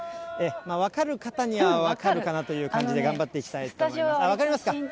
分かる方には分かるかなという感じで頑張っていきたいと思います。